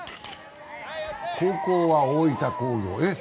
高校は大分工業。